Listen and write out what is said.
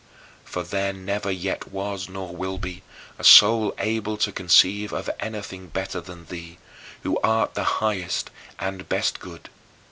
For there never yet was, nor will be, a soul able to conceive of anything better than thee, who art the highest and best good.